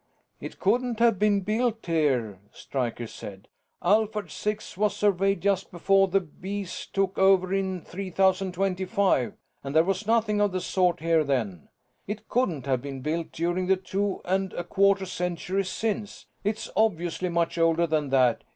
"It couldn't have been built here," Stryker said. "Alphard Six was surveyed just before the Bees took over in 3025, and there was nothing of the sort here then. It couldn't have been built during the two and a quarter centuries since; it's obviously much older than that.